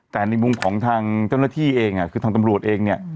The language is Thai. แต่ในมุมของทางเจ้าหน้าที่เองคือทางตำรวจเองเนี่ย